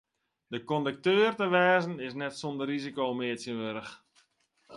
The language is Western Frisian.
Kondukteur te wêzen is net sûnder risiko mear tsjintwurdich.